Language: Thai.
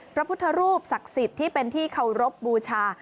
พระพุทธรูปศักดิ์สิทธิ์ที่เป็นที่เคารพบูชา